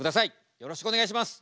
よろしくお願いします。